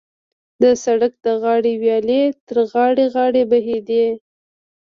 د سړک د غاړې ویالې تر غاړې غاړې بهېدې.